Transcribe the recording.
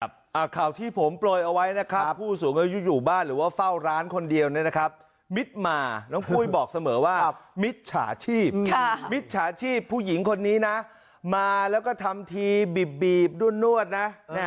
ครับอ่ะข่าวที่ผมปล่อยเอาไว้นะครับผู้สูงอยู่บ้านหรือว่าเฝ้าร้านคนเดียวนะครับมิตมาน้องพุยบอกเสมอว่ามิตชาชีพค่ะมิตชาชีพผู้หญิงคนนี้นะมาแล้วก็ทำทีบีบบีบนวดน่ะ